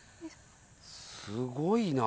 すごいな。